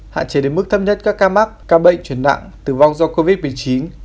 hạn chế đến mức thâm nhất các ca mắc ca bệnh truyền nặng tử vong do covid một mươi chín